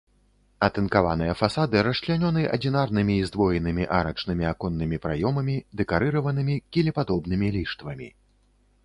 Атынкаваныя фасады расчлянёны адзінарнымі і здвоенымі арачнымі аконнымі праёмамі, дэкарыраванымі кілепадобнымі ліштвамі.